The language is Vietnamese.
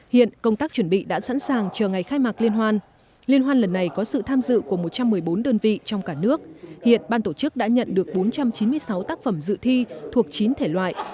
hiện công tác chuẩn bị đã sẵn sàng chờ ngày khai mạc liên hoan liên hoan lần này có sự tham dự của một trăm một mươi bốn đơn vị trong cả nước hiện ban tổ chức đã nhận được bốn trăm chín mươi sáu tác phẩm dự thi thuộc chín thể loại